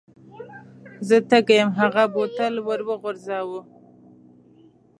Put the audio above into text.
زه تږی یم هغه بوتل ور وغورځاوه.